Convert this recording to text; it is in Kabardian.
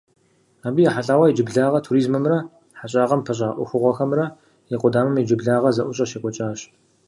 Абы ехьэлӀауэ иджыблагъэ туризмэмрэ хьэщӀагъэм пыщӀа ӀуэхугъуэхэмкӀэ и къудамэм иджыблагъэ зэӀущӀэ щекӀуэкӀащ.